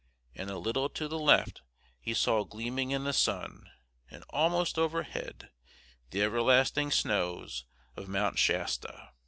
And a little to the left he saw gleaming in the sun and almost overhead the everlasting snows of Mount Shasta.